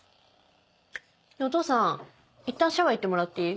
お父さんいったんシャワー行ってもらっていい？